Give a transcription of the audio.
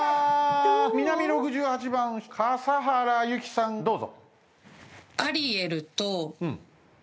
南６８番笠原由紀さんどうぞ。